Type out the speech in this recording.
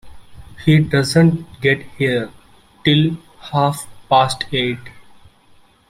He doesn’t get here till half-past eight.